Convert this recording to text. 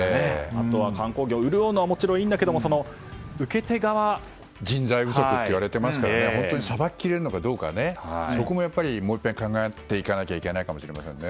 あとは観光業が潤うのはもちろんいいんだけども人材不足と言われてますからさばききれるのかそこもやっぱりもう一遍考えていかなければいけないかもしれませんね。